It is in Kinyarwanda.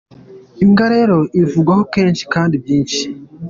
Imbwa rero ivugwaho kenshi kandi byinshi.